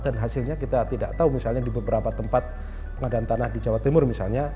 dan hasilnya kita tidak tahu misalnya di beberapa tempat pengadaan tanah di jawa timur misalnya